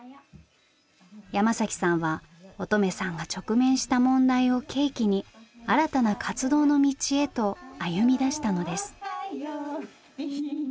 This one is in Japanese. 山さんは音十愛さんが直面した問題を契機に新たな活動の道へと歩みだしたのです。